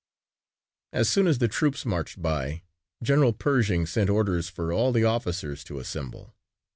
As soon as the troops marched by, General Pershing sent orders for all the officers to assemble.